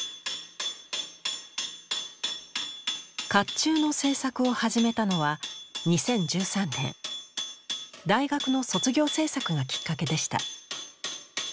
甲冑の制作を始めたのは２０１３年大学の卒業制作がきっかけでした。